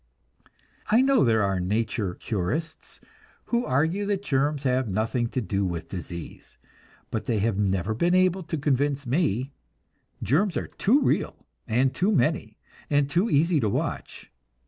I know there are nature curists who argue that germs have nothing to do with disease; but they have never been able to convince me germs are too real, and too many, and too easy to watch.